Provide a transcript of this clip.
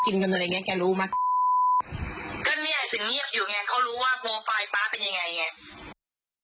ก็เนี่ยสิ่งเงียบอยู่ไงเขารู้ว่าโปรไฟล์ป๊าเป็นยังไง